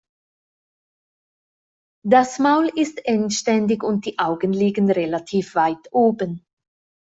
Das Maul ist endständig und die Augen liegen relativ weit oben.